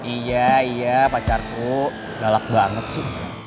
iya iya pacarku galak banget sih